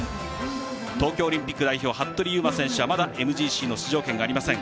東京オリンピック代表服部勇馬選手はまだＭＧＣの出場権がありません。